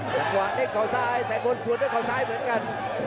ตีขวาเน็กข่าวซ้ายแผนพนธ์สวนเน็กข่าวซ้ายเหมือนกัน